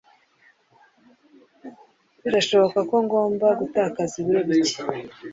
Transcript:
Birashoboka ko ngomba gutakaza ibiro bike.